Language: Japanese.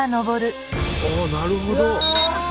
ああなるほど！